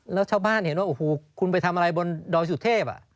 แล้วชาวบ้านเห็นว่าโอ้โหคุณไปทำอะไรบนดอยสุเทพ